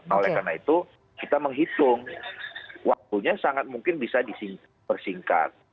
nah oleh karena itu kita menghitung waktunya sangat mungkin bisa dipersingkat